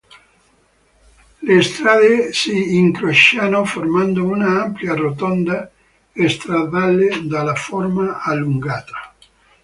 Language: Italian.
Le strade si incrociano formando un'ampia rotonda stradale dalla forma allungata.